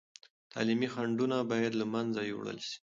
تعلیمي خنډونه باید له منځه یوړل سي.